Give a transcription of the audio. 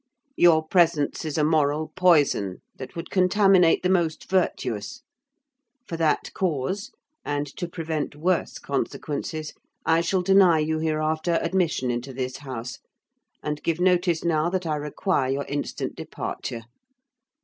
Your presence is a moral poison that would contaminate the most virtuous: for that cause, and to prevent worse consequences, I shall deny you hereafter admission into this house, and give notice now that I require your instant departure.